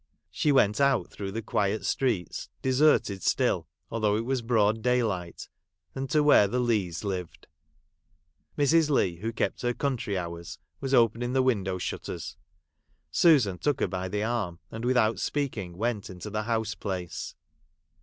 She went out through the quiet streets, deserted still although it was broad daylight, and to where the Leighs lived. Mrs. Leigh, who kept her country hours, was opening her window shutters. Susan took her by the arm, and, without speaking, went into the house place.